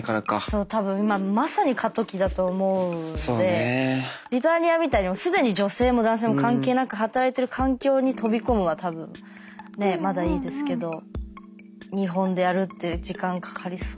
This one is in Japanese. そう多分今まさに過渡期だと思うんでリトアニアみたいに既に女性も男性も関係なく働いてる環境に飛び込むのは多分ねっまだいいですけど日本でやるって時間かかりそう。